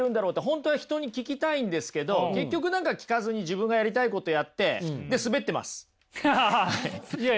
本当は人に聞きたいんですけど結局何か聞かずに自分がやりたいことやってハハハ！